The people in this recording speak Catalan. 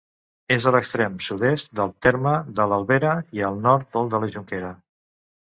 És a l'extrem sud-est del terme de l'Albera i al nord del de la Jonquera.